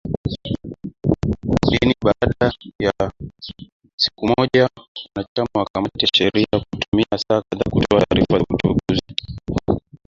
Hii ni baada ya siku moja wanachama wa kamati ya sheria kutumia saa kadhaa kutoa taarifa za ufunguzi